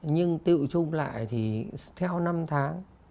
nhưng tự trung lại thì theo năm tháng